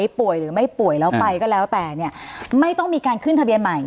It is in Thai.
ป่วยหรือไม่ป่วยแล้วไปก็แล้วแต่เนี่ยไม่ต้องมีการขึ้นทะเบียนใหม่